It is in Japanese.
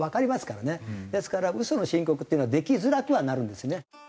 ですから嘘の申告っていうのはできづらくはなるんですね。